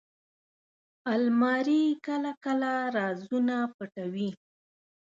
الماري کله کله رازونه پټوي